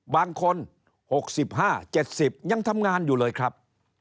บางคน๖๕๗๐ยังทำงานอยู่เลยครับ